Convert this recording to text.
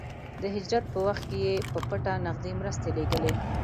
د هجرت په وخت کې يې په پټه نغدې مرستې لېږلې.